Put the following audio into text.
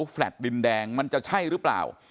แลตดินแดงมันจะใช่หรือเปล่า